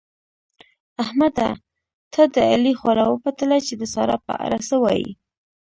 احمده! ته د علي خوله وپلټه چې د سارا په اړه څه وايي؟